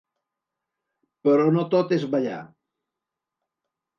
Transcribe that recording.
Però no tot és ballar.